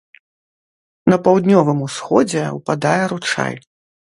На паўднёвым усходзе ўпадае ручай.